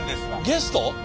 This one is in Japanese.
ゲスト！